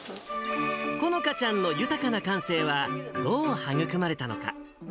このかちゃんの豊かな感性は、どう育まれたのか。